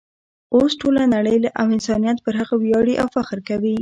اوس ټوله نړۍ او انسانیت پر هغه ویاړي او فخر کوي.